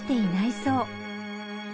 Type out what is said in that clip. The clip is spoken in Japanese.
そう